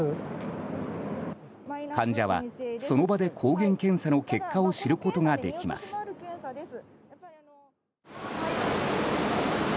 患者はその場で抗原検査の結果を知ることができます。